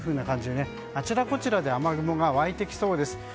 あちらこちらで雨雲が湧いてきそうです。